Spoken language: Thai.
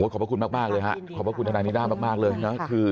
ขอบคุณมากเลยครับขอบคุณทนานีด้ามากเลยนะ